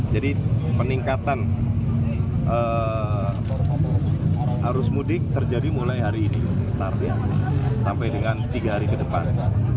jadi peningkatan arus mudik terjadi mulai hari ini sampai dengan tiga hari ke depan